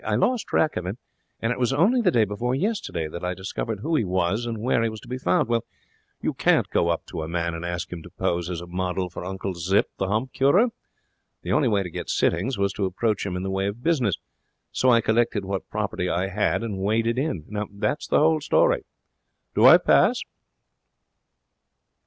'I lost track of him, and it was only the day before yesterday that I discovered who he was and where he was to be found. Well, you can't go up to a man and ask him to pose as a model for Uncle Zip, the Hump Curer. The only way to get sittings was to approach him in the way of business. So I collected what property I had and waded in. That's the whole story. Do I pass?'